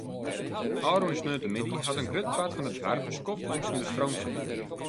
Ofrûne saterdeitemiddei hat in grut part fan it doarp in skoftlang sonder stroom sitten.